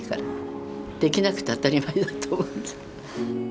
できなくて当たり前だと思って。